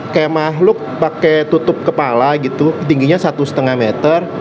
kayak makhluk pakai tutup kepala gitu tingginya satu lima meter